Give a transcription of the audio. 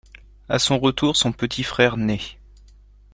À son retour son petit frère naît.